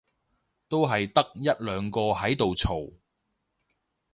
都係得一兩個喺度嘈